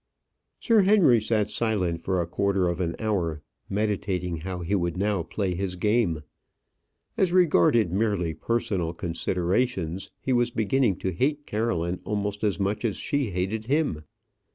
Sir Henry sat silent for a quarter of an hour, meditating how he would now play his game. As regarded merely personal considerations, he was beginning to hate Caroline almost as much as she hated him.